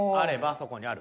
そこにある？